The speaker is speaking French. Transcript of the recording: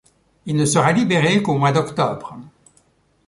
Il ne sera libéré qu’au mois d’octobre.